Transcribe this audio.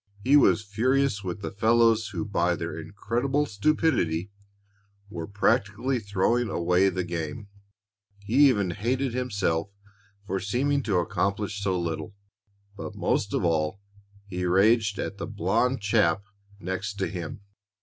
He was furious with the fellows who by their incredible stupidity were practically throwing away the game. He even hated himself for seeming to accomplish so little; but most of all he raged at the blond chap next to him.